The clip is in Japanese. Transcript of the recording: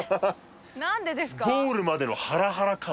何でですか？